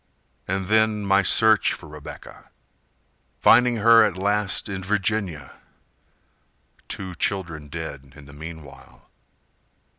And then my search for Rebecca, Finding her at last in Virginia, Two children dead in the meanwhile.